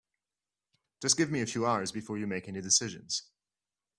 Just give me a few hours before you make any decisions.